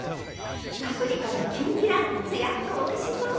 パプリカのきんぴらつやっとおいしそう！